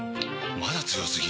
まだ強すぎ？！